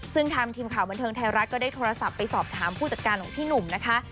ซึ่งทางทีมข่าวบันเทิงไทยรัฐก็ได้โทรศัพท์ไปสอบถามผู้จัดการของพี่หนุ่มนะคะ